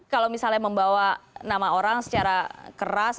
kalau misalnya membawa nama orang secara keras